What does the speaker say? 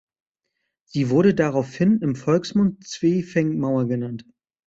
Sie wurde daraufhin im Volksmund „Zwee-Pfeng-Mauer“ genannt.